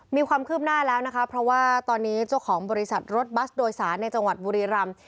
มีความคืบหน้าแล้วนะคะเพราะว่าตอนนี้เจ้าของบริษัทรถบัสโดยสารในจังหวัดบุรีรำ